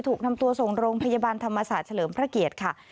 ถูกนำตัวส่งโรงพยาบาลธรรมศาสตร์เฉลิมพระเกียรติค่ะ